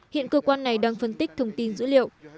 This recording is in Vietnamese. hiện cơ quan này đang phân tích thông tin dữ liệu